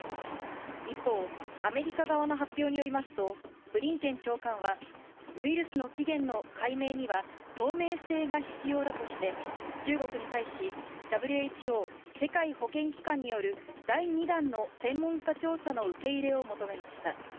一方、アメリカ側の発表によりますと、ブリンケン長官は、ウイルスの起源の解明には透明性が必要だとして、中国に対し、ＷＨＯ・世界保健機関による第２弾の専門家調査の受け入れを求めました。